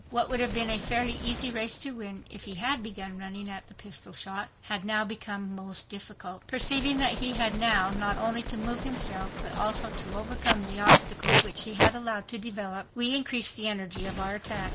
What would have been a fairly easy race to win, if he had begun running at the pistol shot, had now become most difficult. Perceiving that he had now not only to move himself, but also to overcome the obstacle which he had allowed to develop, we increased the energy of our attack.